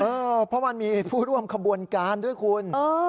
เพราะมันมีผู้ร่วมขบวนการด้วยคุณ